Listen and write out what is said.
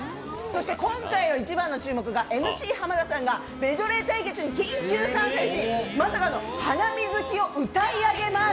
今回の一番の注目は、ＭＣ浜田さんがメドレー対決に緊急参戦し、「ハナミズキ」を歌い上げます。